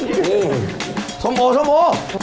อื้อส้มโอส้มโอ